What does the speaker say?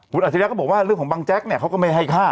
คุณอาชิริยะก็บอกว่าเรื่องของบังแจ๊กเนี่ยเขาก็ไม่ให้ฆ่า